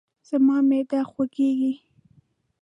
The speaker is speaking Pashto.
زما معده خوږیږي